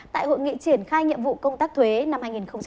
tại hội nghị triển khai nhiệm vụ công tác thuế năm hai nghìn một mươi tám